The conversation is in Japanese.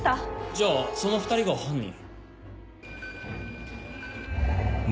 じゃあその２人が犯人？